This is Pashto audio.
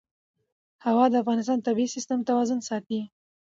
هوا د افغانستان د طبعي سیسټم توازن ساتي.